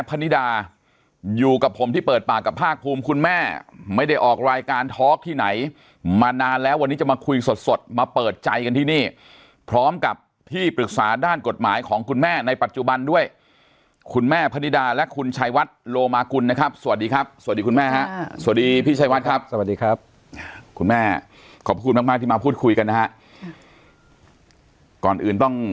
พนิดาอยู่กับผมที่เปิดปากกับภาคภูมิคุณแม่ไม่ได้ออกรายการทอล์กที่ไหนมานานแล้ววันนี้จะมาคุยสดสดมาเปิดใจกันที่นี่พร้อมกับที่ปรึกษาด้านกฎหมายของคุณแม่ในปัจจุบันด้วยคุณแม่พนิดาและคุณชัยวัดโลมากุลนะครับสวัสดีครับสวัสดีคุณแม่ฮะสวัสดีพี่ชายวัดครับสวัสดีครับคุณแม่ขอบคุณมากมากที่มาพูดคุยกันนะฮะก่อนอื่นต้อง